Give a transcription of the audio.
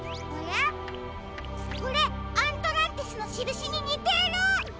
これアントランティスのしるしににてる！